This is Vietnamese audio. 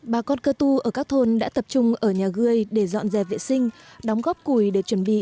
bà con cơ tu ở các thôn đã tập trung ở nhà cươi để dọn dẹp vệ sinh đóng góp cùi để chuẩn bị